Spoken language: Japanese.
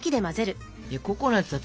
ココナツ私